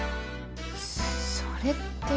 それって。